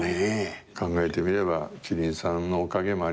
考えてみれば希林さんのおかげもありますね。